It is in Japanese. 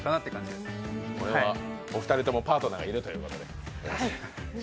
お二人ともパートナーがいるということで。